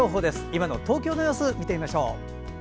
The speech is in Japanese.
今の東京の様子、見てみましょう。